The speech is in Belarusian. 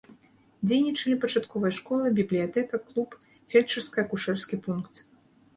Дзейнічалі пачатковая школа, бібліятэка, клуб, фельчарска-акушэрскі пункт.